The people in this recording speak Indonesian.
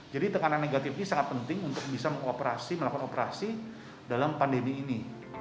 jadi tekanan negatif ini sangat penting untuk bisa melakukan operasi dalam pandemi ini